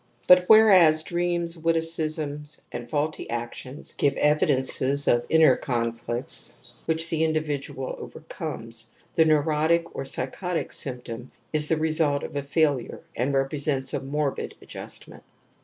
But whereas dreams, wit ticisms, and faulty actions give evidences of inner conflicts which the individual overcomes, the nexwotic or psychotic symptom is the result of a failure and represents a morbid adjustment.